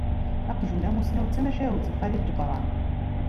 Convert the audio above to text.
"Aqjun amusnaw", d tamacahut n Xalil Ǧebran.